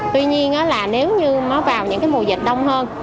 tuy nhiên là nếu như nó vào những cái mùa dịch đông hơn